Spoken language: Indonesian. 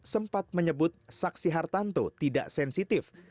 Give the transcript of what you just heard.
sempat menyebut saksi hartanto tidak sensitif